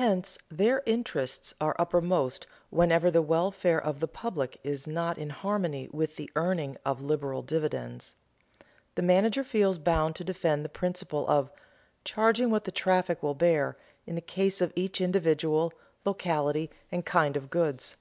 Hence their interests are uppermost whenever the welfare of the public is not in harmony with the earning of liberal dividends. The manager feels bound to defend the principle of "charging what the traffic will bear" in the case of each individual, locality, and kind of goods.